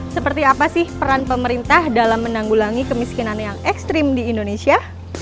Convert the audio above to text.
seperti apa sih peran pemerintah dalam menanggulangi kemiskinan yang ekstrim di indonesia